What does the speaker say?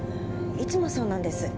いつもそうなんです。